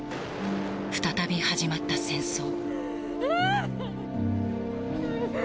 再び始まった戦争。